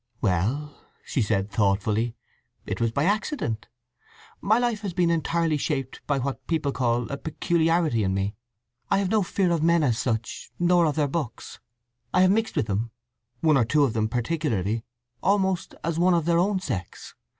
"Well," she said thoughtfully, "it was by accident. My life has been entirely shaped by what people call a peculiarity in me. I have no fear of men, as such, nor of their books. I have mixed with them—one or two of them particularly—almost as one of their own sex.